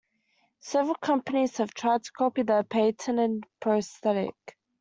Several companies have tried to copy the patented prosthetic.